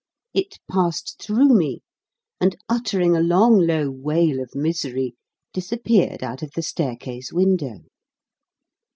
It passed through me, and uttering a long low wail of misery, disappeared out of the staircase window.